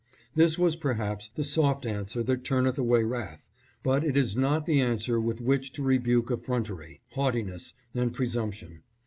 This was perhaps the soft answer that turneth away wrath, but it is not the answer with which to rebuke effrontery, haughtiness and presumption.